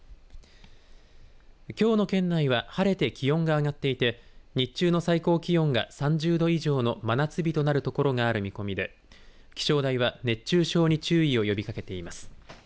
きょうの県内は晴れて気温が上がっていて日中の最高気温が３０度以上の真夏日となる所がある見込みで気象台は熱中症に注意を呼びかけています。